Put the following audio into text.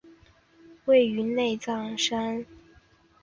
位于内藏山南麓。